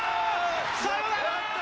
サヨナラー！